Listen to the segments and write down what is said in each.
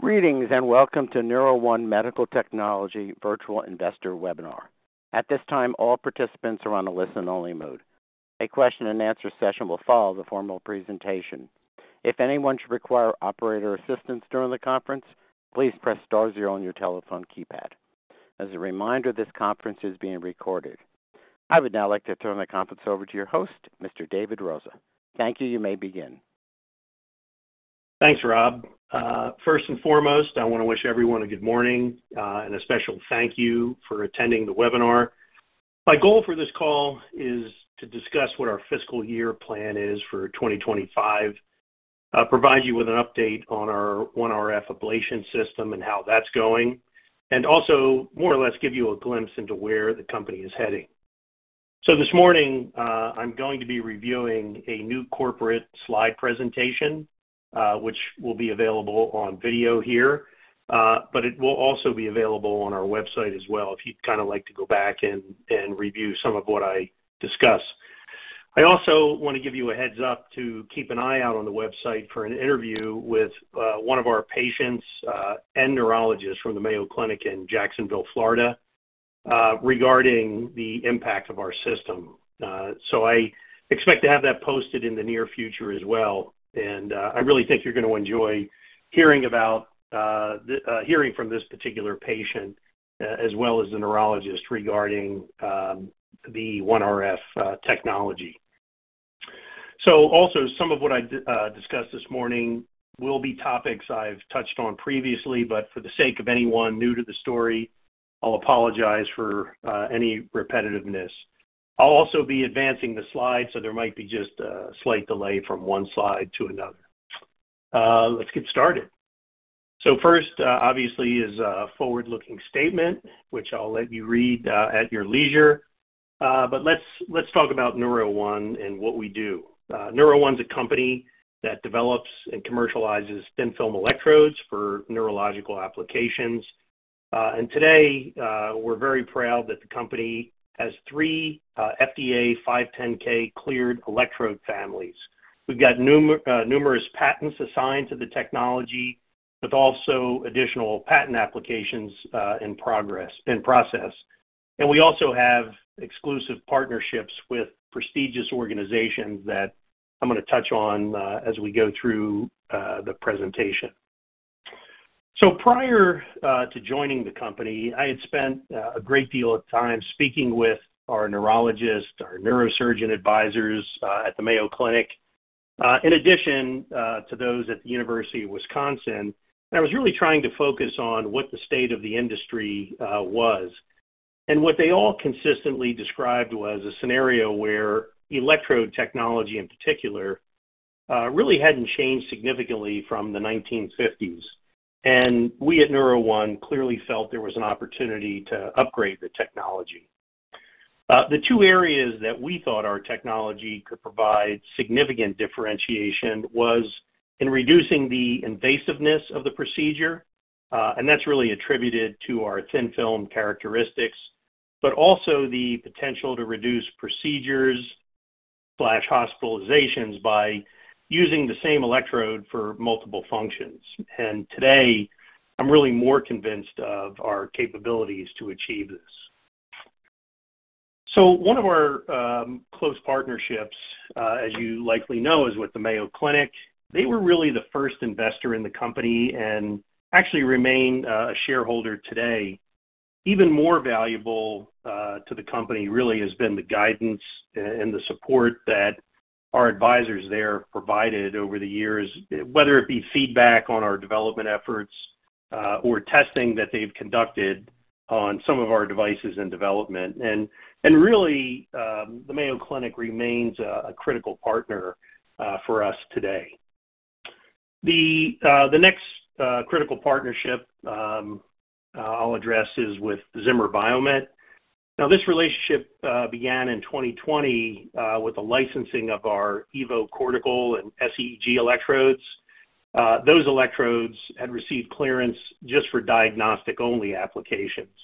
Greetings and welcome to NeuroOne Medical Technologies Virtual Investor Webinar. At this time, all participants are on a listen-only mode. A question-and-answer session will follow the formal presentation. If anyone should require operator assistance during the conference, please press star zero on your telephone keypad. As a reminder, this conference is being recorded. I would now like to turn the conference over to your host, Mr. David Rosa. Thank you, you may begin. Thanks, Rob. First and foremost, I want to wish everyone a good morning and a special thank you for attending the webinar. My goal for this call is to discuss what our fiscal year plan is for 2025, provide you with an update on our OneRF ablation system and how that's going, and also, more or less, give you a glimpse into where the company is heading. So this morning, I'm going to be reviewing a new corporate slide presentation, which will be available on video here, but it will also be available on our website as well if you'd kind of like to go back and review some of what I discuss. I also want to give you a heads-up to keep an eye out on the website for an interview with one of our patients and neurologists from the Mayo Clinic in Jacksonville, Florida, regarding the impact of our system. So I expect to have that posted in the near future as well, and I really think you're going to enjoy hearing from this particular patient, as well as the neurologist, regarding the OneRF technology, so also, some of what I discussed this morning will be topics I've touched on previously, but for the sake of anyone new to the story, I'll apologize for any repetitiveness. I'll also be advancing the slide, so there might be just a slight delay from one slide to another. Let's get started, so first, obviously, is a forward-looking statement, which I'll let you read at your leisure. But let's talk about NeuroOne and what we do. NeuroOne is a company that develops and commercializes thin-film electrodes for neurological applications. And today, we're very proud that the company has three FDA 510(k) cleared electrode families. We've got numerous patents assigned to the technology, with also additional patent applications in progress, in process. And we also have exclusive partnerships with prestigious organizations that I'm going to touch on as we go through the presentation. So prior to joining the company, I had spent a great deal of time speaking with our neurologists, our neurosurgeon advisors at the Mayo Clinic, in addition to those at the University of Wisconsin. And I was really trying to focus on what the state of the industry was. And what they all consistently described was a scenario where electrode technology, in particular, really hadn't changed significantly from the 1950s. We at NeuroOne clearly felt there was an opportunity to upgrade the technology. The two areas that we thought our technology could provide significant differentiation were in reducing the invasiveness of the procedure, and that's really attributed to our thin-film characteristics, but also the potential to reduce procedures and hospitalizations by using the same electrode for multiple functions. Today, I'm really more convinced of our capabilities to achieve this. One of our close partnerships, as you likely know, is with the Mayo Clinic. They were really the first investor in the company and actually remain a shareholder today. Even more valuable to the company really has been the guidance and the support that our advisors there provided over the years, whether it be feedback on our development efforts or testing that they've conducted on some of our devices in development. Really, the Mayo Clinic remains a critical partner for us today. The next critical partnership I'll address is with Zimmer Biomet. Now, this relationship began in 2020 with the licensing of our Evo Cortical and sEEG electrodes. Those electrodes had received clearance just for diagnostic-only applications.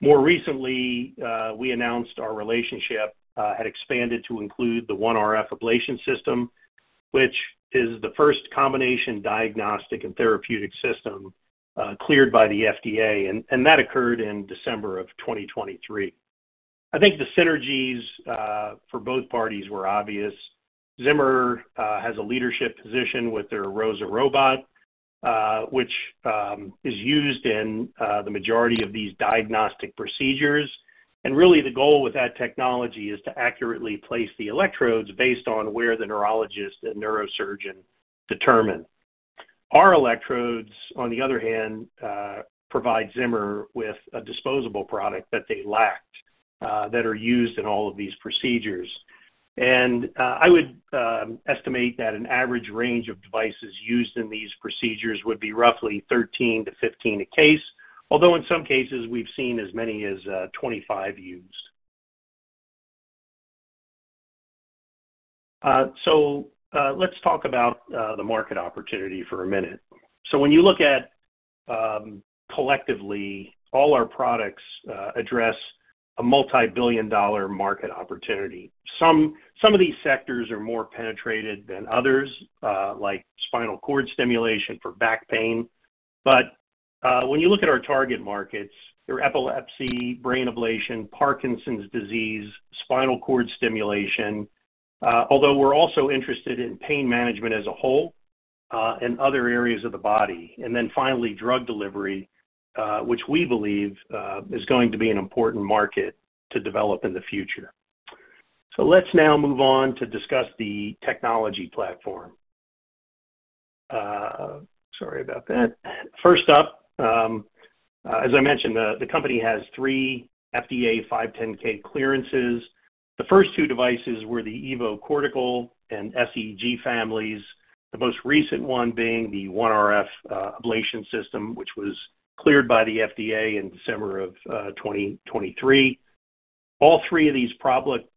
More recently, we announced our relationship had expanded to include the OneRF ablation system, which is the first combination diagnostic and therapeutic system cleared by the FDA. That occurred in December of 2023. I think the synergies for both parties were obvious. Zimmer Biomet has a leadership position with their ROSA robot, which is used in the majority of these diagnostic procedures. Really, the goal with that technology is to accurately place the electrodes based on where the neurologist and neurosurgeon determine. Our electrodes, on the other hand, provide Zimmer with a disposable product that they lacked that are used in all of these procedures, and I would estimate that an average range of devices used in these procedures would be roughly 13-15 a case, although in some cases, we've seen as many as 25 used. Let's talk about the market opportunity for a minute. When you look at collectively, all our products address a multi-billion-dollar market opportunity. Some of these sectors are more penetrated than others, like spinal cord stimulation for back pain. When you look at our target markets, there are epilepsy, brain ablation, Parkinson's disease, spinal cord stimulation, although we're also interested in pain management as a whole and other areas of the body. And then finally, drug delivery, which we believe is going to be an important market to develop in the future. So let's now move on to discuss the technology platform. Sorry about that. First up, as I mentioned, the company has three FDA 510(k) clearances. The first two devices were the Evo Cortical and sEEG families, the most recent one being the OneRF ablation system, which was cleared by the FDA in December of 2023. All three of these product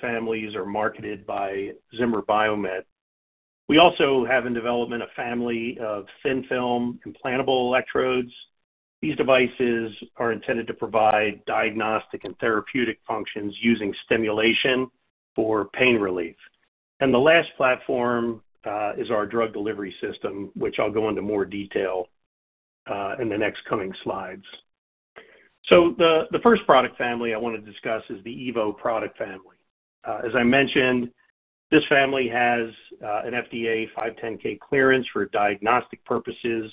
families are marketed by Zimmer Biomet. We also have in development a family of thin-film implantable electrodes. These devices are intended to provide diagnostic and therapeutic functions using stimulation for pain relief. And the last platform is our drug delivery system, which I'll go into more detail in the next coming slides. So the first product family I want to discuss is the Evo product family. As I mentioned, this family has an FDA 510(k) clearance for diagnostic purposes,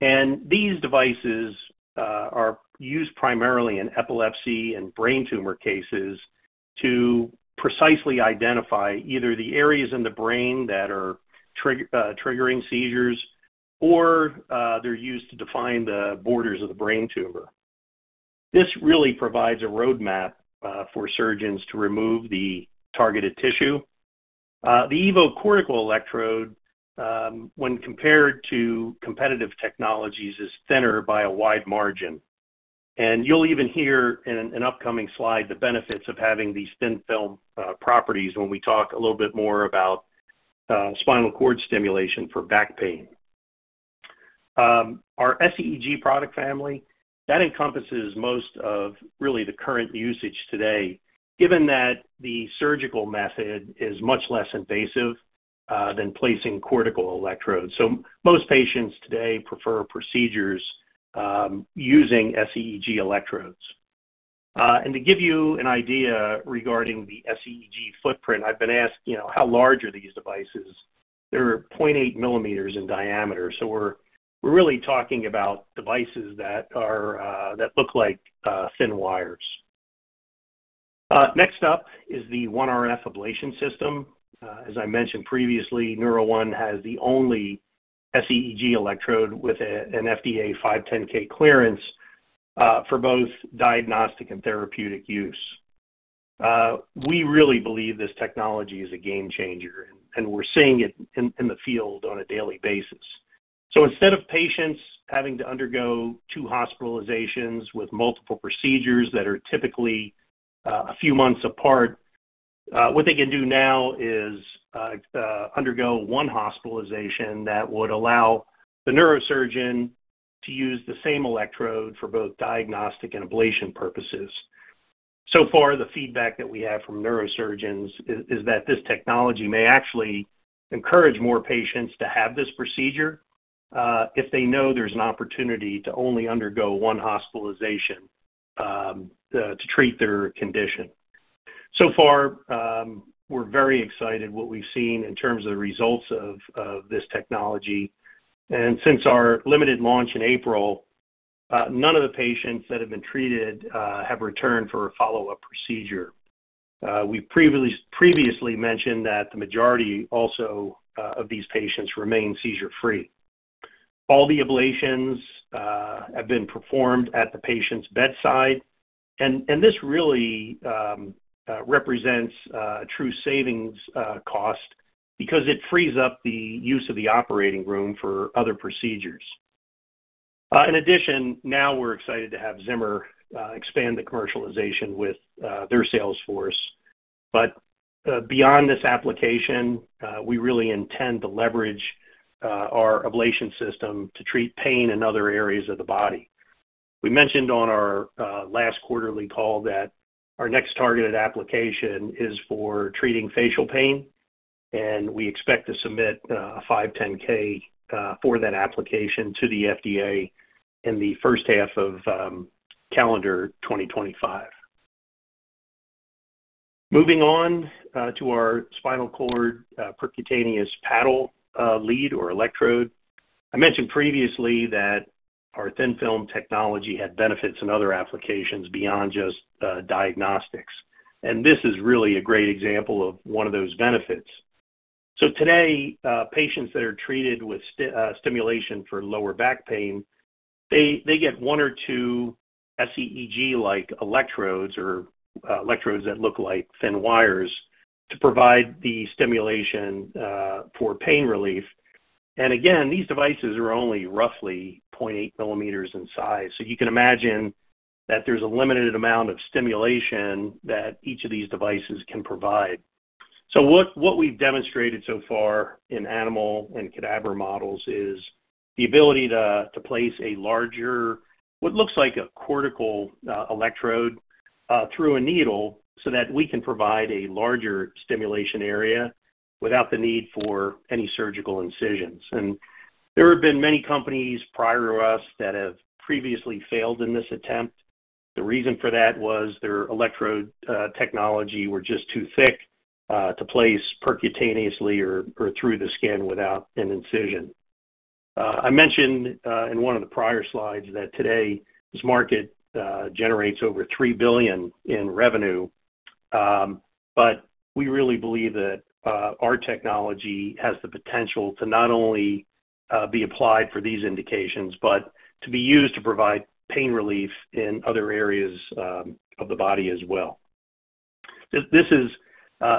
and these devices are used primarily in epilepsy and brain tumor cases to precisely identify either the areas in the brain that are triggering seizures or they're used to define the borders of the brain tumor. This really provides a roadmap for surgeons to remove the targeted tissue. The Evo Cortical electrode, when compared to competitive technologies, is thinner by a wide margin, and you'll even hear in an upcoming slide the benefits of having these thin-film properties when we talk a little bit more about spinal cord stimulation for back pain. Our sEEG product family, that encompasses most of really the current usage today, given that the surgical method is much less invasive than placing cortical electrodes, so most patients today prefer procedures using sEEG electrodes. To give you an idea regarding the sEEG footprint, I've been asked, "How large are these devices?" They're 0.8 millimeters in diameter. We're really talking about devices that look like thin wires. Next up is the OneRF ablation system. As I mentioned previously, NeuroOne has the only sEEG electrode with an FDA 510(k) clearance for both diagnostic and therapeutic use. We really believe this technology is a game changer, and we're seeing it in the field on a daily basis. Instead of patients having to undergo two hospitalizations with multiple procedures that are typically a few months apart, what they can do now is undergo one hospitalization that would allow the neurosurgeon to use the same electrode for both diagnostic and ablation purposes. So far, the feedback that we have from neurosurgeons is that this technology may actually encourage more patients to have this procedure if they know there's an opportunity to only undergo one hospitalization to treat their condition. So far, we're very excited about what we've seen in terms of the results of this technology. And since our limited launch in April, none of the patients that have been treated have returned for a follow-up procedure. We've previously mentioned that the majority also of these patients remain seizure-free. All the ablations have been performed at the patient's bedside. And this really represents a true savings cost because it frees up the use of the operating room for other procedures. In addition, now we're excited to have Zimmer expand the commercialization with their sales force. But beyond this application, we really intend to leverage our ablation system to treat pain in other areas of the body. We mentioned on our last quarterly call that our next targeted application is for treating facial pain. And we expect to submit a 510(k) for that application to the FDA in the first half of calendar 2025. Moving on to our spinal cord percutaneous paddle lead or electrode, I mentioned previously that our thin-film technology had benefits in other applications beyond just diagnostics. And this is really a great example of one of those benefits. So today, patients that are treated with stimulation for lower back pain, they get one or two sEEG-like electrodes or electrodes that look like thin wires to provide the stimulation for pain relief. And again, these devices are only roughly 0.8 millimeters in size. So you can imagine that there's a limited amount of stimulation that each of these devices can provide. So what we've demonstrated so far in animal and cadaver models is the ability to place a larger, what looks like a cortical electrode through a needle so that we can provide a larger stimulation area without the need for any surgical incisions. And there have been many companies prior to us that have previously failed in this attempt. The reason for that was their electrode technology was just too thick to place percutaneously or through the skin without an incision. I mentioned in one of the prior slides that today, this market generates over $3 billion in revenue. But we really believe that our technology has the potential to not only be applied for these indications, but to be used to provide pain relief in other areas of the body as well. This is,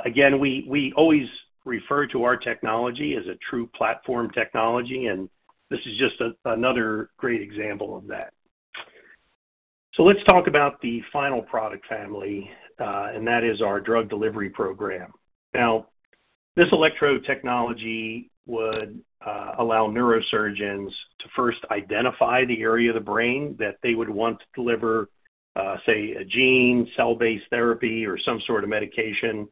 again, we always refer to our technology as a true platform technology. And this is just another great example of that. So let's talk about the final product family. And that is our drug delivery program. Now, this electrode technology would allow neurosurgeons to first identify the area of the brain that they would want to deliver, say, a gene, cell-based therapy, or some sort of medication,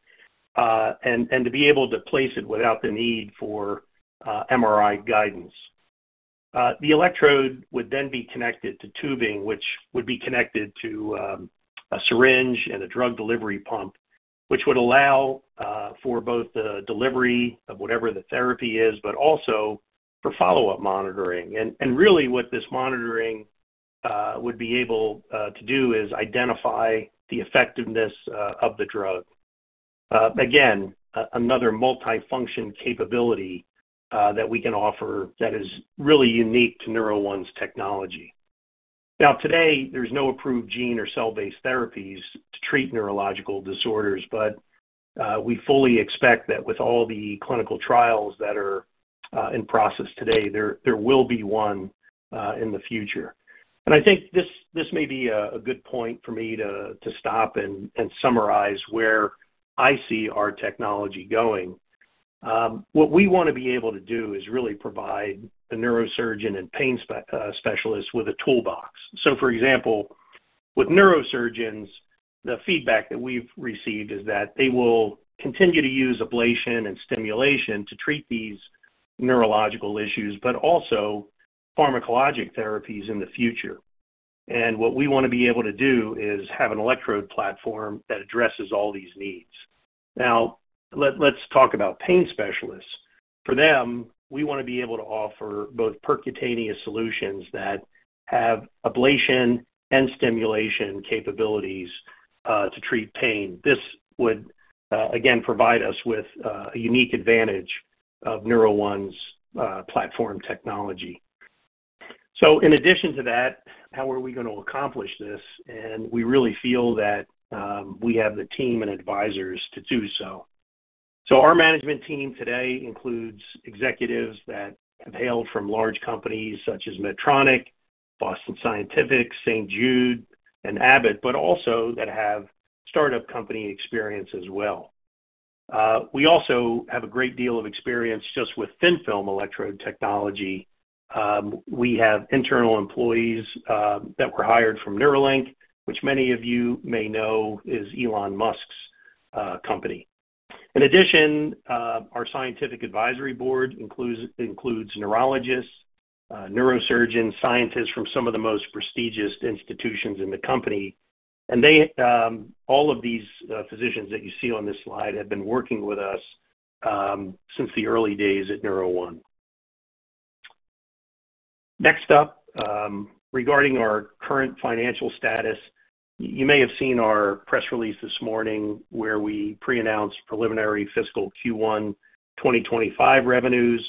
and to be able to place it without the need for MRI guidance. The electrode would then be connected to tubing, which would be connected to a syringe and a drug delivery pump, which would allow for both the delivery of whatever the therapy is, but also for follow-up monitoring, and really, what this monitoring would be able to do is identify the effectiveness of the drug. Again, another multi-function capability that we can offer that is really unique to NeuroOne's technology. Now, today, there's no approved gene or cell-based therapies to treat neurological disorders, but we fully expect that with all the clinical trials that are in process today, there will be one in the future, and I think this may be a good point for me to stop and summarize where I see our technology going. What we want to be able to do is really provide the neurosurgeon and pain specialists with a toolbox. For example, with neurosurgeons, the feedback that we've received is that they will continue to use ablation and stimulation to treat these neurological issues, but also pharmacologic therapies in the future. And what we want to be able to do is have an electrode platform that addresses all these needs. Now, let's talk about pain specialists. For them, we want to be able to offer both percutaneous solutions that have ablation and stimulation capabilities to treat pain. This would, again, provide us with a unique advantage of NeuroOne's platform technology. So, in addition to that, how are we going to accomplish this? And we really feel that we have the team and advisors to do so. So our management team today includes executives that have hailed from large companies such as Medtronic, Boston Scientific, St. Jude, and Abbott, but also that have startup company experience as well. We also have a great deal of experience just with thin-film electrode technology. We have internal employees that were hired from Neuralink, which many of you may know is Elon Musk's company. In addition, our scientific advisory board includes neurologists, neurosurgeons, scientists from some of the most prestigious institutions in the company. And all of these physicians that you see on this slide have been working with us since the early days at NeuroOne. Next up, regarding our current financial status, you may have seen our press release this morning where we pre-announced preliminary fiscal Q1 2025 revenues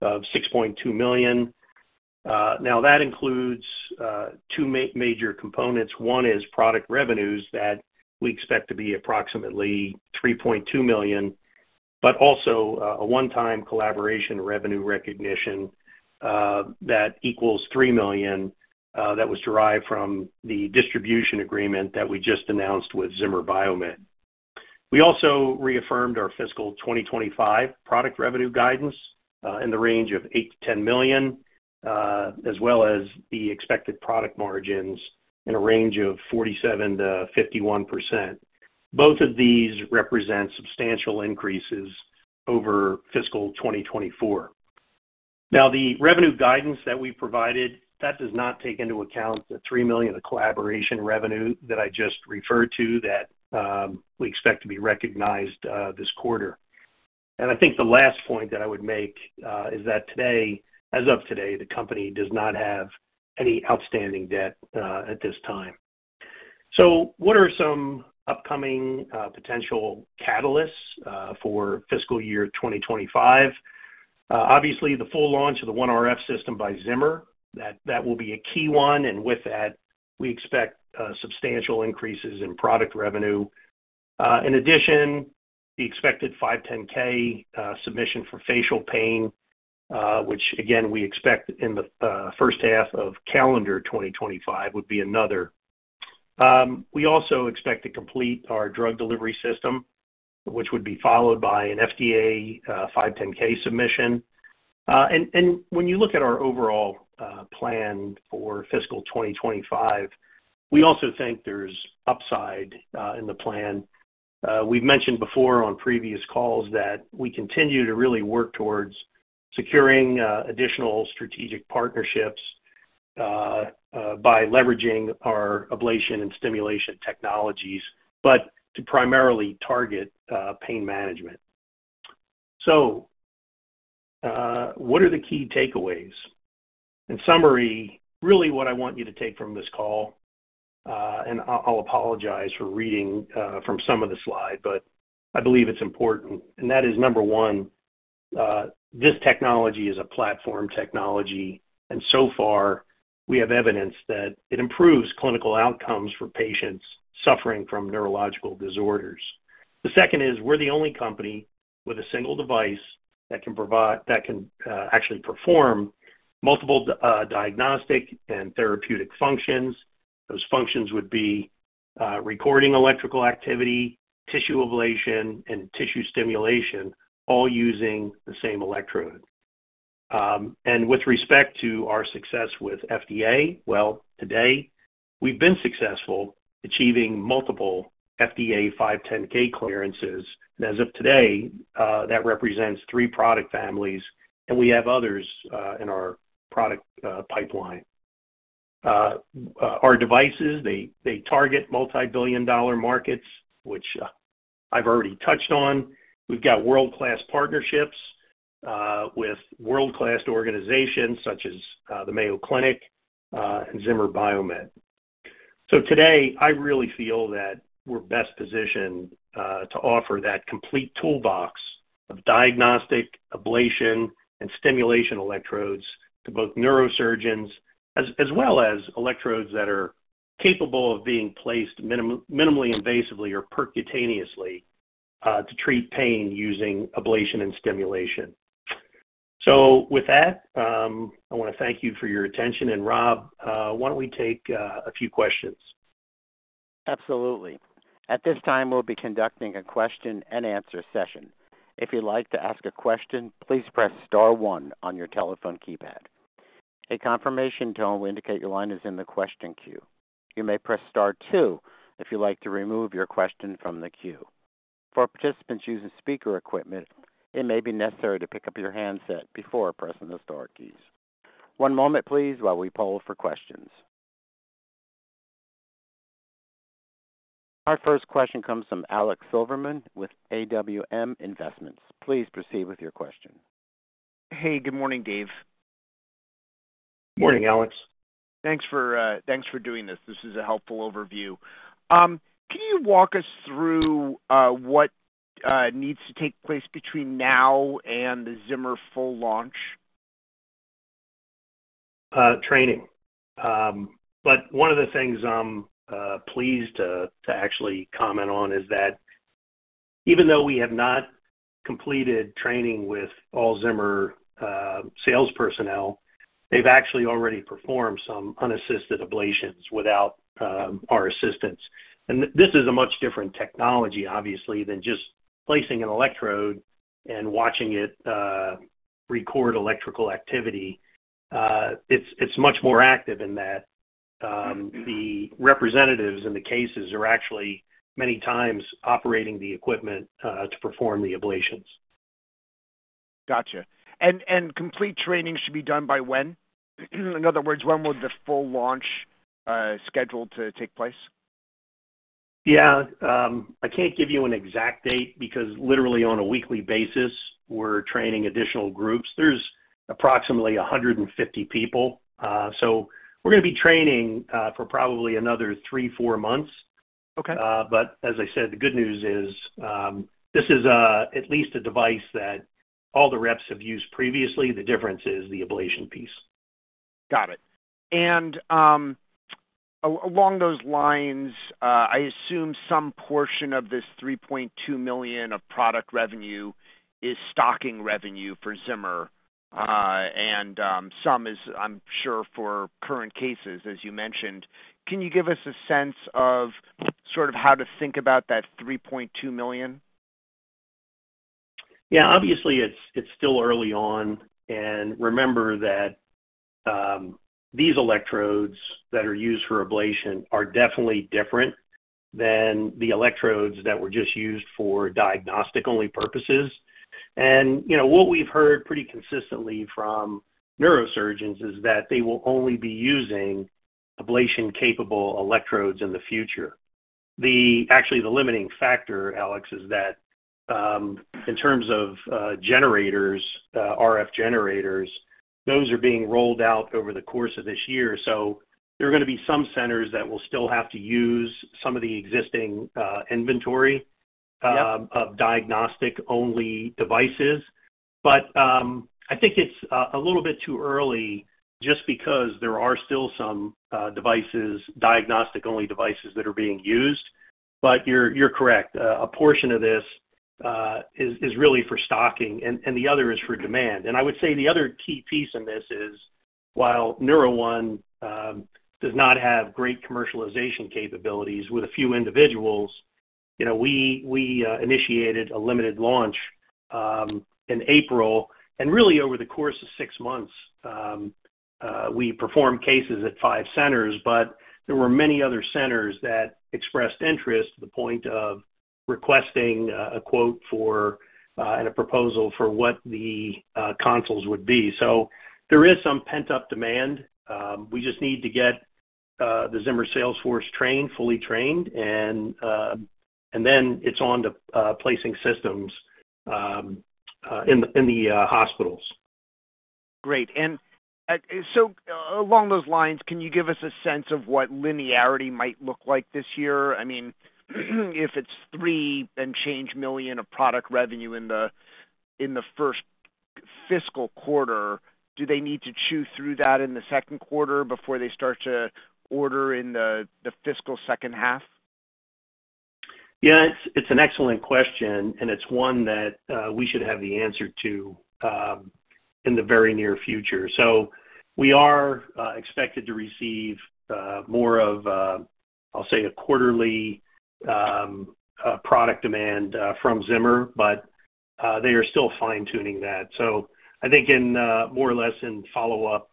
of $6.2 million. Now, that includes two major components. One is product revenues that we expect to be approximately $3.2 million, but also a one-time collaboration revenue recognition that equals $3 million that was derived from the distribution agreement that we just announced with Zimmer Biomet. We also reaffirmed our fiscal 2025 product revenue guidance in the range of $8 million-$10 million, as well as the expected product margins in a range of 47%-51%. Both of these represent substantial increases over fiscal 2024. Now, the revenue guidance that we've provided, that does not take into account the $3 million of collaboration revenue that I just referred to that we expect to be recognized this quarter. And I think the last point that I would make is that today, as of today, the company does not have any outstanding debt at this time. So what are some upcoming potential catalysts for fiscal year 2025? Obviously, the full launch of the OneRF system by Zimmer, that will be a key one. And with that, we expect substantial increases in product revenue. In addition, the expected 510(k) submission for facial pain, which, again, we expect in the first half of calendar 2025, would be another. We also expect to complete our drug delivery system, which would be followed by an FDA 510(k) submission. And when you look at our overall plan for fiscal 2025, we also think there's upside in the plan. We've mentioned before on previous calls that we continue to really work towards securing additional strategic partnerships by leveraging our ablation and stimulation technologies, but to primarily target pain management. So what are the key takeaways? In summary, really what I want you to take from this call, and I'll apologize for reading from some of the slides, but I believe it's important. And that is, number one, this technology is a platform technology. So far, we have evidence that it improves clinical outcomes for patients suffering from neurological disorders. The second is we're the only company with a single device that can actually perform multiple diagnostic and therapeutic functions. Those functions would be recording electrical activity, tissue ablation, and tissue stimulation, all using the same electrode. With respect to our success with FDA, well, today, we've been successful achieving multiple FDA 510(k) clearances. As of today, that represents three product families. We have others in our product pipeline. Our devices, they target multi-billion dollar markets, which I've already touched on. We've got world-class partnerships with world-class organizations such as the Mayo Clinic and Zimmer Biomet. So today, I really feel that we're best positioned to offer that complete toolbox of diagnostic, ablation, and stimulation electrodes to both neurosurgeons, as well as electrodes that are capable of being placed minimally invasively or percutaneously to treat pain using ablation and stimulation. So with that, I want to thank you for your attention. And Rob, why don't we take a few questions? Absolutely. At this time, we'll be conducting a question-and-answer session. If you'd like to ask a question, please press star one on your telephone keypad. A confirmation tone will indicate your line is in the question queue. You may press star two if you'd like to remove your question from the queue. For participants using speaker equipment, it may be necessary to pick up your handset before pressing the star keys. One moment, please, while we poll for questions. Our first question comes from Alex Silverman with AWM Investments. Please proceed with your question. Hey, good morning, Dave. Morning, Alex. Thanks for doing this. This is a helpful overview. Can you walk us through what needs to take place between now and the Zimmer full launch? Training. But one of the things I'm pleased to actually comment on is that even though we have not completed training with all Zimmer sales personnel, they've actually already performed some unassisted ablations without our assistance. And this is a much different technology, obviously, than just placing an electrode and watching it record electrical activity. It's much more active in that the representatives in the cases are actually many times operating the equipment to perform the ablations. Gotcha. And complete training should be done by when? In other words, when would the full launch schedule take place? Yeah. I can't give you an exact date because literally on a weekly basis, we're training additional groups. There's approximately 150 people. So we're going to be training for probably another three-four months. But as I said, the good news is this is at least a device that all the reps have used previously. The difference is the ablation piece. Got it. And along those lines, I assume some portion of this $3.2 million of product revenue is stocking revenue for Zimmer. And some is, I'm sure, for current cases, as you mentioned. Can you give us a sense of sort of how to think about that $3.2 million? Yeah. Obviously, it's still early on. And remember that these electrodes that are used for ablation are definitely different than the electrodes that were just used for diagnostic-only purposes. And what we've heard pretty consistently from neurosurgeons is that they will only be using ablation-capable electrodes in the future. Actually, the limiting factor, Alex, is that in terms of generators, RF generators, those are being rolled out over the course of this year. So there are going to be some centers that will still have to use some of the existing inventory of diagnostic-only devices. But I think it's a little bit too early just because there are still some diagnostic-only devices that are being used. But you're correct. A portion of this is really for stocking, and the other is for demand. I would say the other key piece in this is while NeuroOne does not have great commercialization capabilities with a few individuals, we initiated a limited launch in April. Really, over the course of six months, we performed cases at five centers, but there were many other centers that expressed interest to the point of requesting a quote and a proposal for what the consoles would be. There is some pent-up demand. We just need to get the Zimmer sales force fully trained, and then it's on to placing systems in the hospitals. Great. And so along those lines, can you give us a sense of what linearity might look like this year? I mean, if it's three and change million of product revenue in the first fiscal quarter, do they need to chew through that in the second quarter before they start to order in the fiscal second half? Yeah. It's an excellent question, and it's one that we should have the answer to in the very near future. So we are expected to receive more of, I'll say, a quarterly product demand from Zimmer, but they are still fine-tuning that. So I think more or less in follow-up,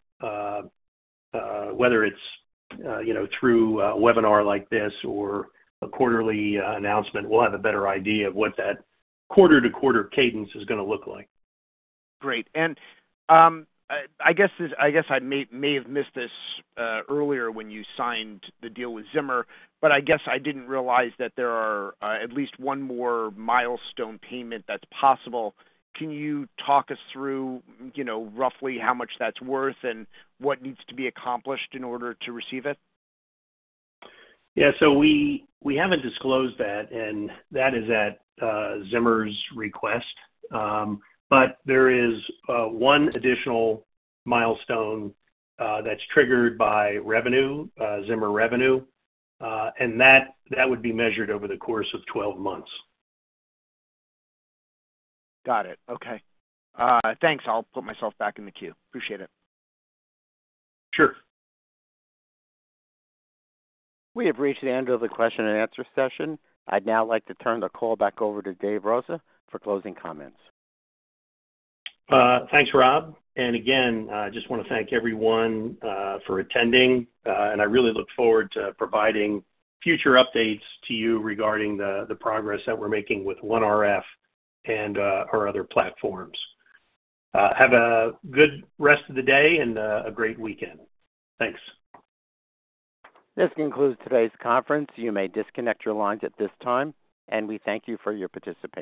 whether it's through a webinar like this or a quarterly announcement, we'll have a better idea of what that quarter-to-quarter cadence is going to look like. Great. And I guess I may have missed this earlier when you signed the deal with Zimmer, but I guess I didn't realize that there is at least one more milestone payment that's possible. Can you talk us through roughly how much that's worth and what needs to be accomplished in order to receive it? Yeah, so we haven't disclosed that, and that is at Zimmer's request, but there is one additional milestone that's triggered by revenue, Zimmer revenue, and that would be measured over the course of 12 months. Got it. Okay. Thanks. I'll put myself back in the queue. Appreciate it. Sure. We have reached the end of the question-and-answer session. I'd now like to turn the call back over to Dave Rosa for closing comments. Thanks, Rob. And again, I just want to thank everyone for attending, and I really look forward to providing future updates to you regarding the progress that we're making with OneRF and our other platforms. Have a good rest of the day and a great weekend. Thanks. This concludes today's conference. You may disconnect your lines at this time, and we thank you for your participation.